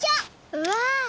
うわ！